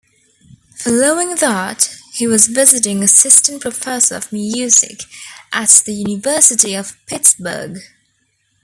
Following that, he was visiting assistant professor of music at the University of Pittsburgh.